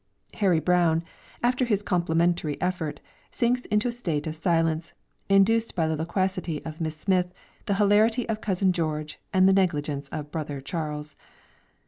Harry Brown, after his complimentary effort, sinks into a state of silence, induced by the loquacity of Miss Smith, the hilarity of cousin George, and the negligence of brother Charles.